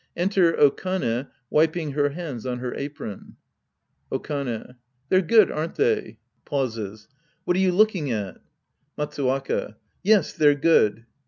Enter Okane, wiping her hands on her apron.) Okane. They're good, aren't they? {Pauses.) What are you looking at ? Matsuwaka. Yes, they're good.